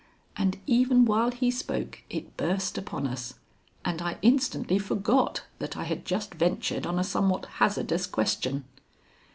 And even while he spoke it burst upon us, and I instantly forgot that I had just ventured on a somewhat hazardous question.